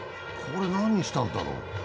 これ、何したんだろ？